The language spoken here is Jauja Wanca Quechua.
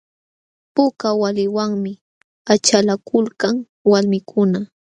Puka waliwanmi achalakulkan walmikuna.